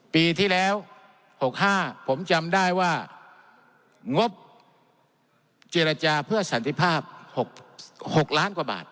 ปีที่แล้ว๖๕ผมจำได้ว่างบเจรจาเพื่อสันติภาพ๖ล้านกว่าบาท